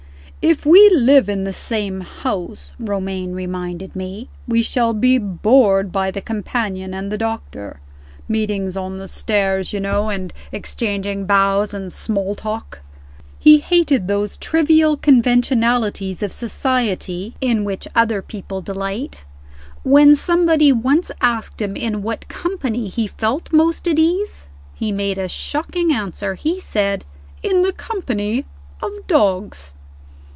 "If we live in the same house," Romayne reminded me, "we shall be bored by the companion and the doctor. Meetings on the stairs, you know, and exchanging bows and small talk." He hated those trivial conventionalities of society, in which, other people delight. When somebody once asked him in what company he felt most at ease? he made a shocking answer he said, "In the company of dogs."